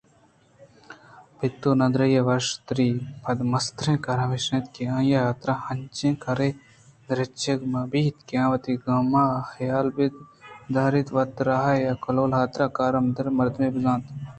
پت ءِ نادُرٛاہی ءِوش تر یءَ پد مستریں کار ہمیش اَت کہ آئی ءِحاترا انچیں کارے درگیجگ بہ بیت کہ آوتی گم ءُ حیالاں دربئیت ءُوت ءَ را اے کہولءِ حاترا کار آمدیں مردمے بزانت